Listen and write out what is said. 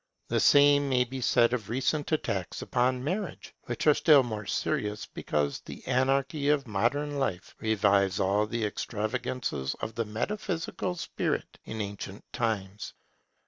The same may be said of recent attacks upon marriage, which are still more serious because the anarchy of modern life revives all the extravagances of the metaphysical spirit in ancient times.